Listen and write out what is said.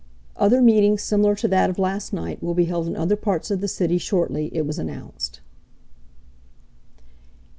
Other meetings similar to that of last night will b held in other parts of the city shortly, it was announced.